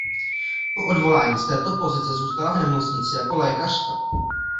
Po odvolání z této pozice zůstala v nemocnici jako lékařka.